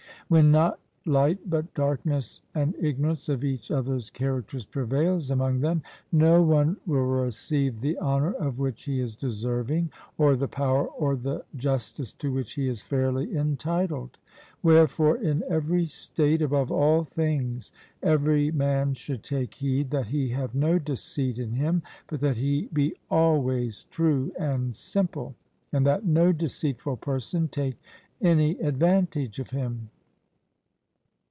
When not light but darkness and ignorance of each other's characters prevails among them, no one will receive the honour of which he is deserving, or the power or the justice to which he is fairly entitled: wherefore, in every state, above all things, every man should take heed that he have no deceit in him, but that he be always true and simple; and that no deceitful person take any advantage of him.